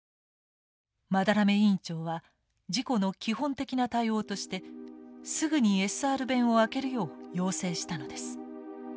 班目委員長は事故の基本的な対応としてすぐにＳＲ弁を開けるよう要請したのです。